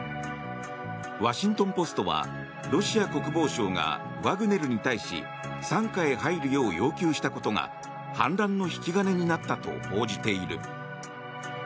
ワシントン・ポストはロシア国防省がワグネルに対し傘下へ入るよう要求したことが反乱の引き金になったと報じている。